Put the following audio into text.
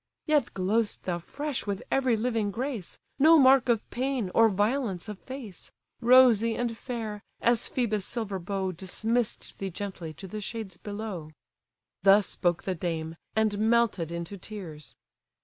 Yet glow'st thou fresh with every living grace; No mark of pain, or violence of face: Rosy and fair! as Phœbus' silver bow Dismiss'd thee gently to the shades below." Thus spoke the dame, and melted into tears.